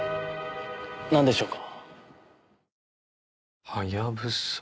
なんでしょうか。